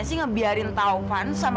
milah gimana keadaan kamu